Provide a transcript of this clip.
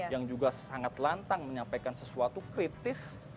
yang juga sangat lantang menyampaikan sesuatu kritis